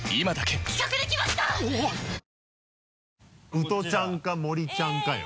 宇都ちゃんか森ちゃんかよ。